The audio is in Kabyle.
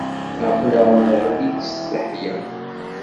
Aqlaɣ neɣli-d s leḥya.